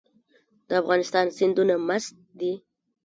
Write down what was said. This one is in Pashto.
د افغانستان سیندونه مست دي